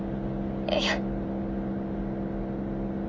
いや。